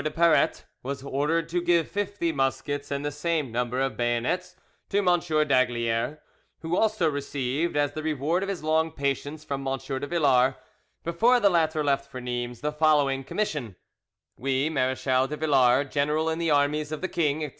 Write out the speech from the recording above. de Paratte was ordered to give fifty muskets and the same number of bayonets to M. d'Aygaliers, who also received, as the reward of his long patience, from M. de Villars, before the latter left for Nimes, the following commission: "We, Marechal de Villars, general in the armies of the king, etc.